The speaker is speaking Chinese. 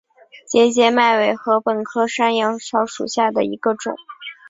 节节麦为禾本科山羊草属下的一个种。